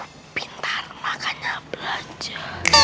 mau pintar makanya belanja